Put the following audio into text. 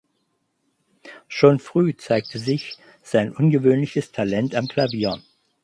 Schon früh zeigte sich sein ungewöhnliches Talent am Klavier.